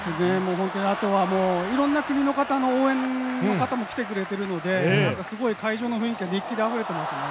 本当にあとはもう、いろんな国の方の応援の方も来てくれてるので、すごい会場の雰囲気が熱気であふれていますね。